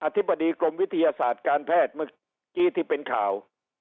ธิบดีกรมวิทยาศาสตร์การแพทย์เมื่อกี้ที่เป็นข่าว